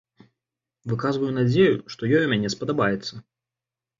Выказваю надзею, што ёй у мяне спадабаецца.